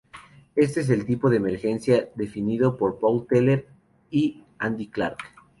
Éste es el tipo de emergencia definido por Paul Teller y Andy Clark.